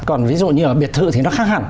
còn ví dụ như ở biệt thự thì nó khác hẳn